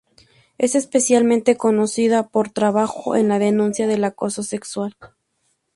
Es especialmente conocida por trabajo en la denuncia del acoso sexual.